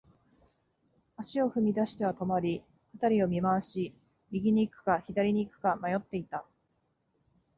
足を踏み出しては止まり、辺りを見回し、右に行くか、左に行くか迷っていた。